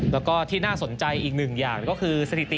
แล้วก็ที่น่าสนใจอีกหนึ่งอย่างก็คือสถิติ